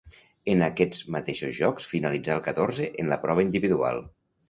En aquests mateixos Jocs finalitzà el catorzè en la prova individual.